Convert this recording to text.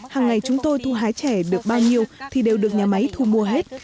hằng ngày chúng tôi thu hái trè được bao nhiêu thì đều được nhà máy thu mua hết